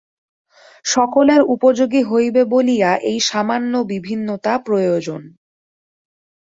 সকলের উপযোগী হইবে বলিয়া এই সামান্য বিভিন্নতা প্রয়োজন।